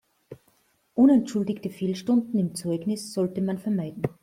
Unentschuldigte Fehlstunden im Zeugnis sollte man vermeiden.